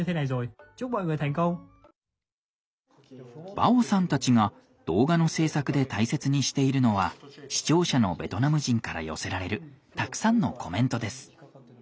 バオさんたちが動画の制作で大切にしているのは視聴者のベトナム人から寄せられるたくさんのコメントです。